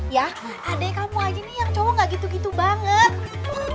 ya adik kamu aja nih yang cowok gak gitu gitu banget